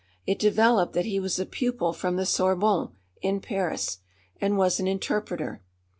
It developed that he was a pupil from the Sorbonne, in Paris, and was an interpreter.